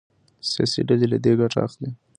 سياسي ډلې له دې ګټه اخلي.